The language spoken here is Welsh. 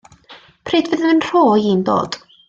Pryd fydd fy nhro i'n dod?